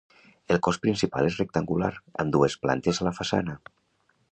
El cos principal és rectangular, amb dues plantes a la façana.